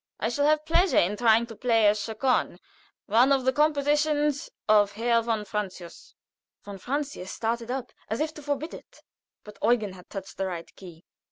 I shall have pleasure in trying to play a Chaconne one of the compositions of Herr von Francius." Von Francius started up as if to forbid it. But Eugen had touched the right key.